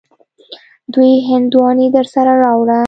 دوې هندواڼی درسره راوړه.